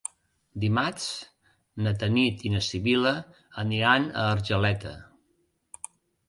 Dimarts na Tanit i na Sibil·la aniran a Argeleta.